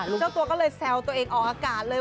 เจ้าตัวก็เลยแซวตัวเองออกอากาศเลย